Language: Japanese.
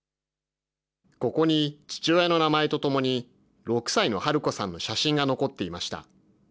ここに父親の名前とともに、６歳のハルコさんの写真が残っていました。